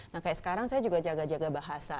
nah kayak sekarang saya juga jaga jaga bahasa